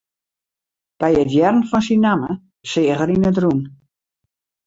By it hearren fan syn namme seach er yn it rûn.